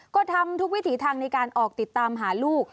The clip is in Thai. ก็ทำทุกวิถีทางในการออกติดตามหาลูก